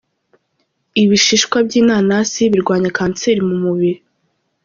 Ibishishwa by’inanasi birwanya kanseri mu mubiri.